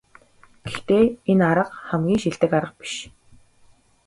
Гэхдээ энэ арга хамгийн шилдэг арга биш.